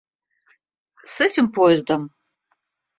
С этим поездом?